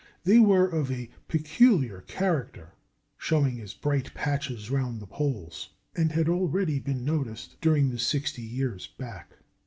They were of a peculiar character, showing as bright patches round the poles, and had already been noticed during sixty years back.